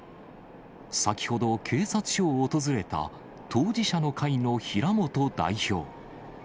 先ほど、警察署を訪れた当事者の会の平本代表。